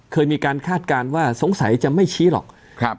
เคยมีการคาดการณ์ว่าสงสัยจะไม่ชี้หรอกครับ